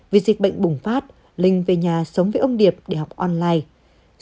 vì dịch bệnh bùng phát linh về nhà sống với ông điệp để học online